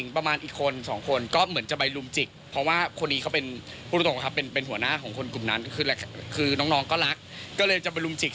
เป็นหัวหน้าของคนกลุ่มนั้นคือน้องก็รักก็เลยจะไปรุมจิก